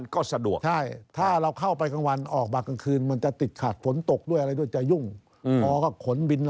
ก็การขนค่ายก็สะดวก